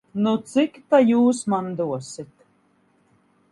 Nu, cik ta jūs man dosit?